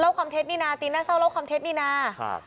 เล่าความเท็จนี่นาตีนหน้าเศร้าเล่าความเท็จนี่นาครับ